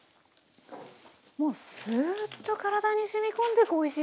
もうすっと体にしみ込んでくおいしさ。